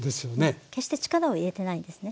決して力を入れてないんですね。